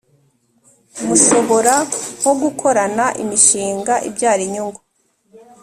mushobora nko gukorana imishinga ibyara inyungu,